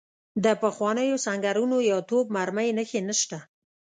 د پخوانیو سنګرونو یا توپ مرمۍ نښې نشته.